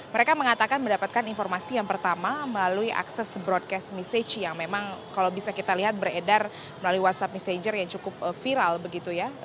mereka mengatakan mendapatkan informasi yang pertama melalui akses broadcast message yang memang kalau bisa kita lihat beredar melalui whatsapp messenger yang cukup viral begitu ya